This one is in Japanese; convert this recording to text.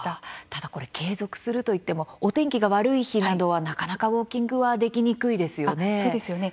ただ継続するといってもお天気が悪い日などはなかなかウォーキングはできにくいですよね。